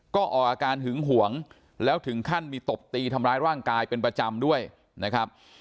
ก็ออกอาการหึงหวงแล้วถึงขั้นมีตบตีทำร้ายร่างกายเป็นประจำด้วยนะครับ